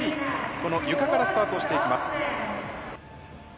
このゆかからスタートをしていきます。